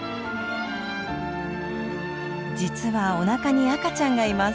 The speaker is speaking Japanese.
実はおなかに赤ちゃんがいます。